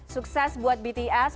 sukses buat bts